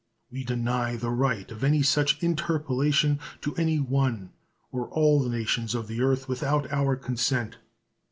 We deny the right of any such interpolation to any one or all the nations of the earth without our consent.